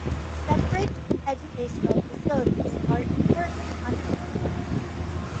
Separate educational facilities are inherently unequal.